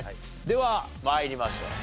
では参りましょう。